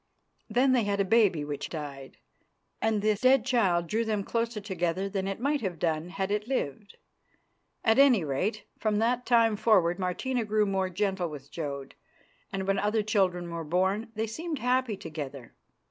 Then they had a baby which died, and this dead child drew them closer together than it might have done had it lived. At any rate, from that time forward Martina grew more gentle with Jodd, and when other children were born they seemed happy together.